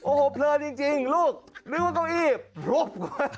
โอ้โหเพลินจริงลูกนึกว่าเก้าอี้พลุบ